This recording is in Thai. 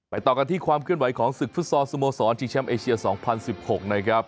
ต่อกันที่ความเคลื่อนไหวของศึกฟุตซอลสโมสรชิงแชมป์เอเชีย๒๐๑๖นะครับ